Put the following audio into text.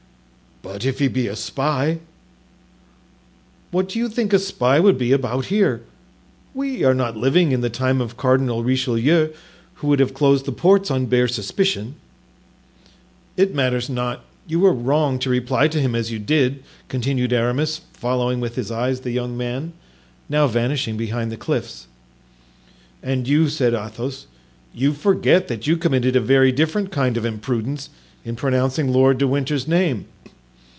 "But if he be a spy——" "What do you think a spy would be about here? We are not living in the time of Cardinal Richelieu, who would have closed the ports on bare suspicion." "It matters not; you were wrong to reply to him as you did," continued Aramis, following with his eyes the young man, now vanishing behind the cliffs. "And you," said Athos, "you forget that you committed a very different kind of imprudence in pronouncing Lord de Winter's name.